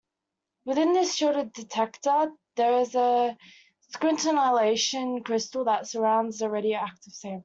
Within this shielded detector there is a scintillation crystal that surrounds the radioactive sample.